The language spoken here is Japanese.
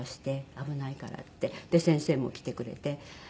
で先生も来てくれて。